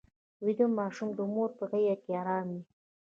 ویده ماشوم د مور په غېږ کې ارام وي